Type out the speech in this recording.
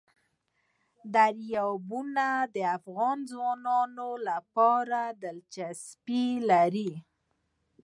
دریابونه د افغان ځوانانو لپاره دلچسپي لري.